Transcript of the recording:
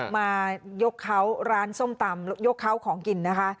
มายกเขาร้านส้มตำยกเขาของกินนะคะ